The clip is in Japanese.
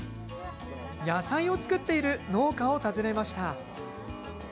野菜を作っている農家を訪ねました。